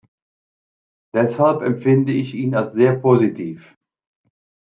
Deshalb empfinde ich ihn als sehr positiv.